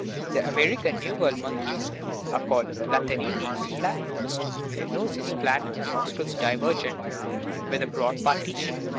The American " New World " mon keys are called Platyrrhinae (flat nosed) ; their nose is flat, and the nostrils divergent, with a broad partition.